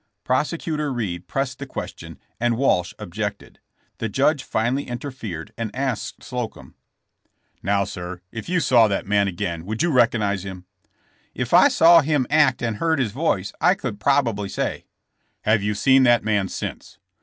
*' Prosecutor Reed pressed the question and Walsh objected. The judge finally interfered and asked Sloeum :^' Now, sir, if you saw that man again would you recognize him ?'' *'If I saw him act and heard his voice I could probably say." *'Have you seen the man since?"